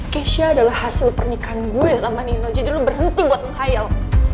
kesha adalah hasil pernikahan gue sama nino jadi lu berhenti buat muhayel